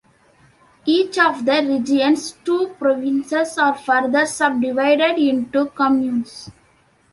Each of the region's two provinces are further subdivided into communes.